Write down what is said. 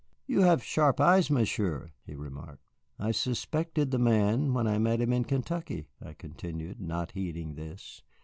"You have sharp eyes, Monsieur," he remarked. "I suspected the man when I met him in Kentucky," I continued, not heeding this.